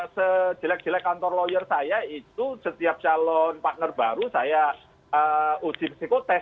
sejelek jelek kantor lawyer saya itu setiap calon partner baru saya uji psikotest